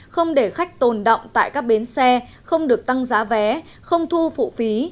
không để khách tồn động tại các bến xe không được tăng giá vé không thu phụ phí